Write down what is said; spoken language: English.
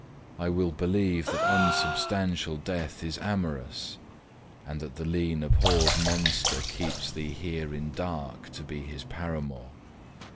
I will believe That unsubstantial death is amorous; And that the lean abhorred monster keeps Thee here in dark to be his paramour.